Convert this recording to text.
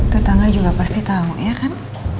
tetangga juga pasti tahu ya kan